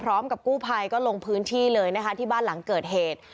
พร้อมกับกู้ภัยก็ลงพื้นที่เลยนะคะที่บ้านหลังเกิดเหตุ